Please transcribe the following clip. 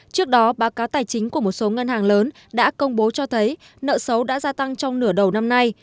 trước đó báo cáo tài chính của một số ngân hàng lớn đã công bố cho thấy nợ xấu đã gia tăng trong nửa đầu năm nay